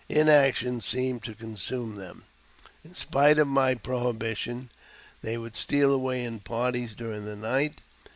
Inaction seemed to consume them. In spite of my prohibition, they would steal away in parties during the night.